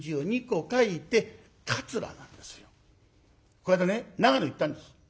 この間ね長野行ったんです。